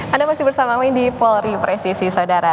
anda masih bersama kami di polri presisi saudara